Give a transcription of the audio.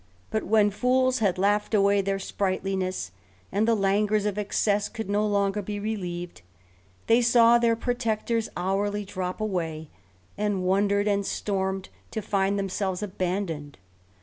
But when fools had laughed away their sprightliness, and the languors of excess could no longer be relieved, they saw their protectors hourly drop away, and wondered and stormed to find themselves abandoned.